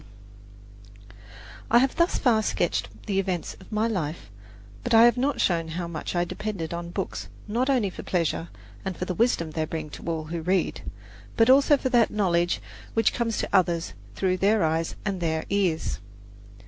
CHAPTER XXI I have thus far sketched the events of my life, but I have not shown how much I have depended on books not only for pleasure and for the wisdom they bring to all who read, but also for that knowledge which comes to others through their eyes and their ears.